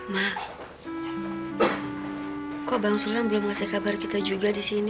mah kok bang sulang belum ngasih kabar kita juga di sini